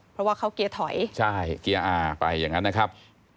เพราะว่าเขาเกียร์ถอยใช่เกียร์อาไปอย่างนั้นนะครับ